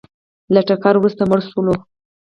له ټکر وروسته مړه شول